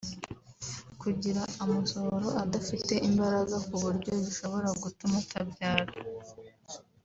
kugira amasohoro adafite imbaraga ku buryo bishobora gutuma utabyara